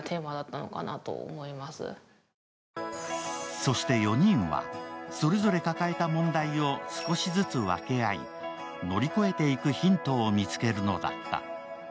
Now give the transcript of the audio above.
そして４人は、それぞれ抱えた問題を少しずつ分け合い乗り越えていくヒントを見つけるのだった。